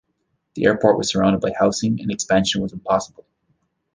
The airport was surrounded by housing and expansion was impossible.